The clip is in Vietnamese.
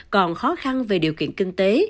còn khó khăn về điều kiện kinh tế